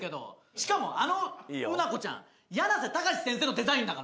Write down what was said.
しかもあのうなこちゃんやなせたかし先生のデザインだから。